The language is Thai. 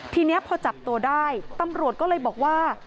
ทีนี้พอจับตัวได้ตำรวจก็เลยบอกว่า